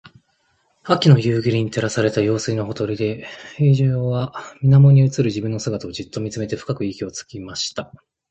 秋の夕暮れに照らされた用水のほとりで、兵十は水面に映る自分の姿をじっと見つめて深く息をつきました。